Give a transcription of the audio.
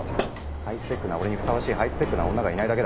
ハイスペックな俺にふさわしいハイスペックな女がいないだけだ。